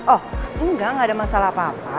oh enggak enggak ada masalah apa apa